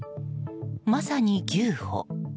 まさに牛歩。